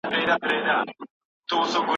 مرغان په ځالو کې اوسيږي.